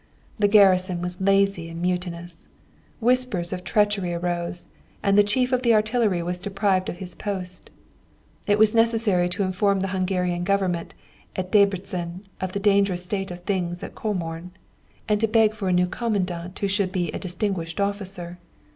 The garrison was lazy and mutinous. Whispers of treachery arose, and the chief of the artillery was deprived of his post. It was necessary to inform the Hungarian Government at Debreczin of the dangerous state of things at Comorn, and to beg for a new Commandant who should be a distinguished officer.